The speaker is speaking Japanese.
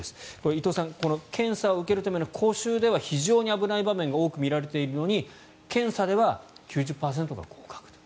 伊藤さん検査を受けるための講習では非常に危ない場面が多く見られているのに検査では９０％が合格と。